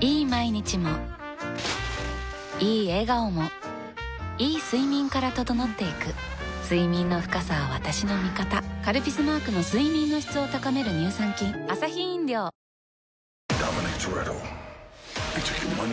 いい毎日もいい笑顔もいい睡眠から整っていく睡眠の深さは私の味方「カルピス」マークの睡眠の質を高める乳酸菌うわ！！